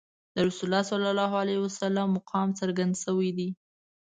د رسول الله صلی الله علیه وسلم مقام څرګند شوی دی.